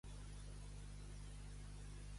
La neu d'Advent dura molt temps.